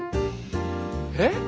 えっ？